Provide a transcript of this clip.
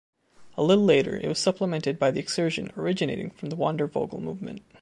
A little later it was supplemented by the excursion originating from the Wandervogel movement.